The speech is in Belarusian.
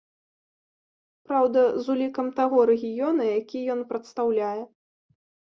Праўда, з улікам таго рэгіёна, які ён прадстаўляе.